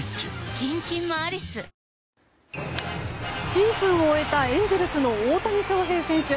シーズンを終えたエンゼルスの大谷翔平選手。